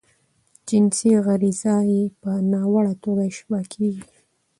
جنسی غریزه ئې په ناروا توګه اشباه کیږي.